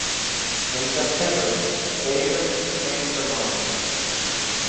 In September, Beyer changed her mind.